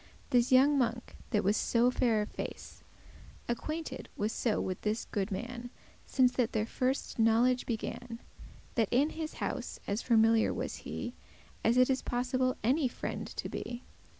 *constantly This younge monk, that was so fair of face, Acquainted was so with this goode man, Since that their firste knowledge began, That in his house as familiar was he As it is possible any friend to be.